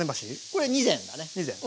これ２膳だね。